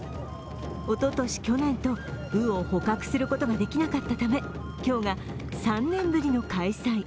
おととし、去年と鵜を捕獲することができなかったため今日が３年ぶりの開催。